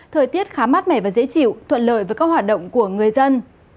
thời tiết khá mát mẻ và dễ chịu thuận lợi với các hoạt động của người dân